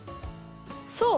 そう。